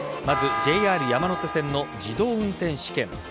まずＪＲ山手線の自動運転試験。